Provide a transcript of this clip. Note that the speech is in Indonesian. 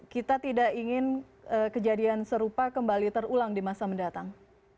kita tidak ingin kejadian serupa kembali terulang di masa mendatang